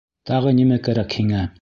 Тағы нимә кәрәк һиңә?